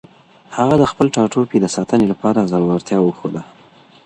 هغه د خپل ټاټوبي د ساتنې لپاره زړورتیا وښوده.